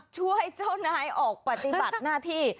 ช่วยเจ้านายออกปฏิบัติหน้าที่